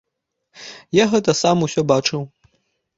Я гэта сам усё бачыў.